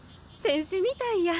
選手みたいや。